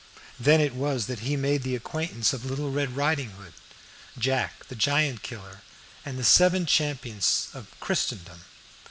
Then it was that he made the acquaintance of Little Red Riding Hood, Jack the Giant Killer, and the Seven Champions of Christendom.